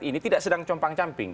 ini tidak sedang compang camping